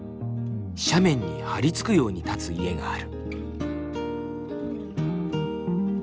斜面に張り付くように立つ家がある。